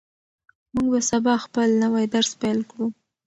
موږ به سبا خپل نوی درس پیل کړو.